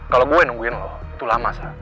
kalau gue yang nungguin lo itu lama sah